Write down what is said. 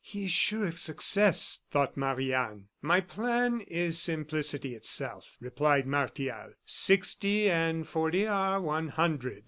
"He is sure of success," thought Marie Anne. "My plan is simplicity itself," replied Martial. "Sixty and forty are one hundred.